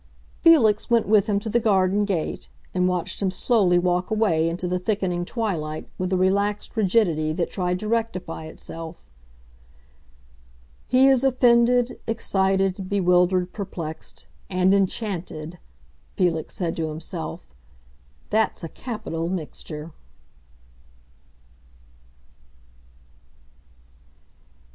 Felix went with him to the garden gate, and watched him slowly walk away into the thickening twilight with a relaxed rigidity that tried to rectify itself. "He is offended, excited, bewildered, perplexed—and enchanted!" Felix said to himself. "That's a capital mixture."